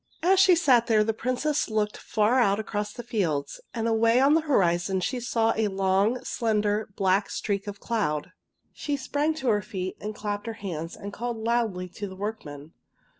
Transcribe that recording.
As she sat there the Princess looked far out CORN FLOWER AND POPPY 163 across the fields, and away on the horizon she saw a long, slender, black streak of cloud. She sprang to her feet and clapped her hands and called loudly to the workmen.